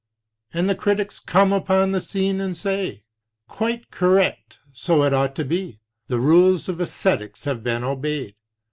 And the critics come upon the scene and say: Quite correct, so it ought to be; the rules of esthetics have been obeyed.